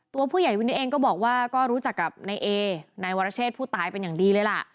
ตัวผู้ใหญ่วินิตเองก็บอกว่าก็รู้จักกับนายเอนายวรเชษผู้ตายเป็นอย่างดีเลยล่ะ